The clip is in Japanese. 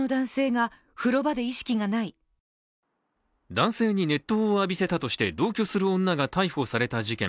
男性に熱湯を浴びせたとして同居する女が逮捕された事件。